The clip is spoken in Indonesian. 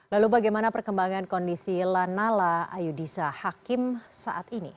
lalu bagaimana perkembangan kondisi lanala ayudhisa hakim saat ini